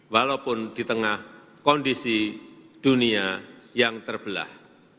walaupun di tengah kondisi dunia yang terbelah